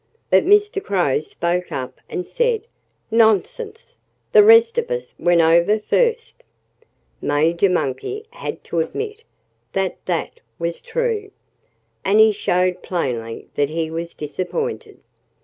But Mr. Crow spoke up and said: "Nonsense! The rest of us went over first!" Major Monkey had to admit that that was true. And he showed plainly that he was disappointed.